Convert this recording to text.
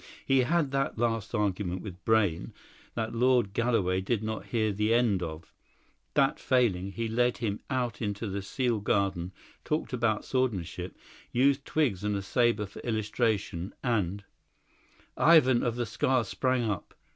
He had that last argument with Brayne, that Lord Galloway did not hear the end of; that failing, he led him out into the sealed garden, talked about swordsmanship, used twigs and a sabre for illustration, and " Ivan of the Scar sprang up.